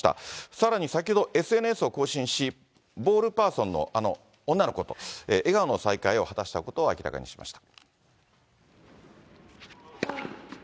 さらに先ほどＳＮＳを更新し、ボールパーソンの、あの女の子と笑顔の再会を果たしたことを明らかにしました。